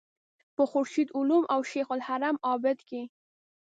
په خورشید علوم او شیخ الحرم عابد کې.